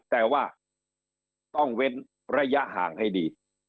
แต่ว่าต้องเว้นระยะห่างให้ดี